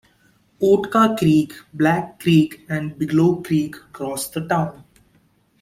Oatka Creek, Black Creek, and Bigelow Creek cross the town.